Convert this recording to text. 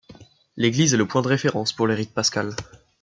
L'église est le point de référence pour les rites pascals.